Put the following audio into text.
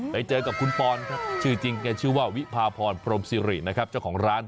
ไปเจอกับคุณปอนครับชื่อจริงแกชื่อว่าวิพาพรพรมสิรินะครับเจ้าของร้าน